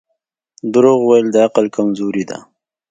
• دروغ ویل د عقل کمزوري ده.